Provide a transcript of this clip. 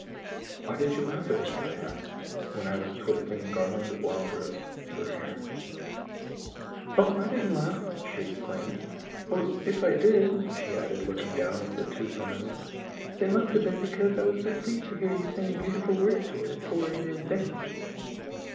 " Why did you laugh at me?" I asked, when I was twisting a garland of wild roses for her hair. " Oh, I didn't laugh !" she exclaimed. " Or if I did," she added, looking down with a tooth on her lip, " it must have been because I was so pleased to hear you saying beautiful words to us — poor ignorant things